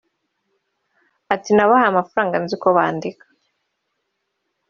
Ati “Nabahaye amafaranga nzi ko bandeka